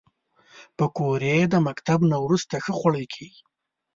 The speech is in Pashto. پکورې د مکتب نه وروسته ښه خوړل کېږي